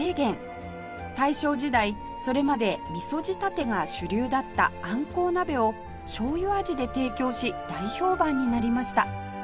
大正時代それまで味噌仕立てが主流だったあんこう鍋をしょうゆ味で提供し大評判になりました